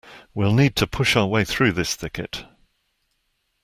We'll need to push our way through this thicket.